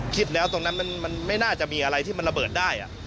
คิดแล้วตรงนั้นมันไม่น่าจะมีอะไรที่มันระเบิดได้